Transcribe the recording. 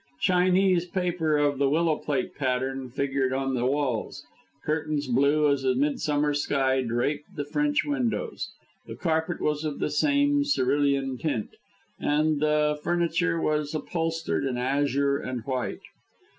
Chinese paper of the willow plate pattern figured on the walls, curtains blue as a midsummer sky draped the French windows, the carpet was of the same cerulean tint, and the furniture was upholstered in azure and white.